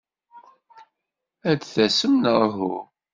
Ad d-tasemt neɣ uhu?